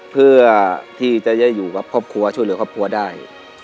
เพื่อที่จะได้อยู่กับครอบครัวช่วยเหลือครอบครัวได้